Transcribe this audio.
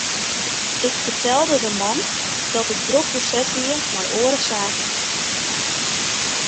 Ik fertelde de man dat ik drok beset wie mei oare saken.